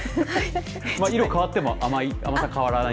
色変わってもあまり甘さ変わらない。